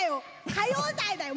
⁉『歌謡祭』だよ